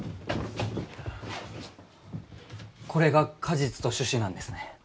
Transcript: これが果実と種子なんですね。